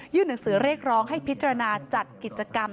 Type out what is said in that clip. หนังสือเรียกร้องให้พิจารณาจัดกิจกรรม